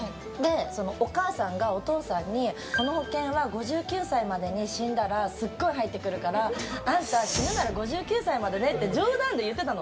お母さんがお父さんにこの保険は５９歳までに死んだらすごい入ってくるからあんた死ぬなら５９歳までねって冗談で言ってたの。